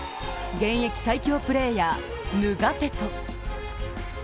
現役最強プレーヤー、ヌガペト。